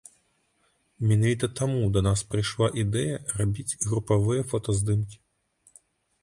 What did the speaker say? Менавіта таму да нас прыйшла ідэя рабіць групавыя фотаздымкі.